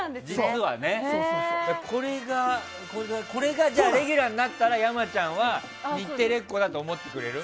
これがレギュラーになったら山ちゃんは、日テレっ子だと思ってくれる？